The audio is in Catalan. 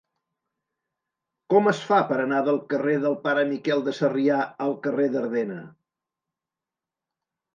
Com es fa per anar del carrer del Pare Miquel de Sarrià al carrer d'Ardena?